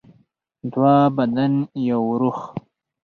دوه بدن یو روح.